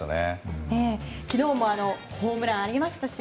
昨日もホームランがありましたし